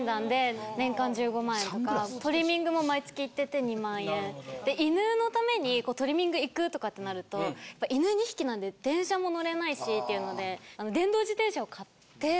トリミングも毎月行ってて２万円。で犬のためにトリミング行くとかってなると犬２匹なんで電車も乗れないしっていうので電動自転車を買って。